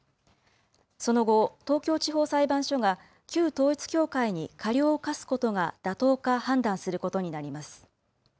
その後、東京地方裁判所が旧統一教会に過料を科すことが妥当か判断することになります。